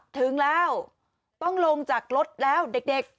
ถึงแล้วต้องลงจากรถแล้วเด็ก